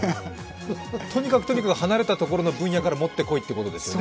とにかく離れたところの分野から持ってこいということですよね。